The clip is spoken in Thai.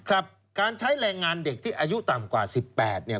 ครับการใช้แรงงานเด็กที่อายุต่ำกว่า๑๘เนี่ย